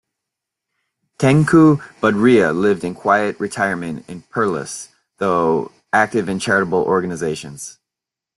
Tengku Budriah lived in quiet retirement in Perlis, though active in charitable organisations.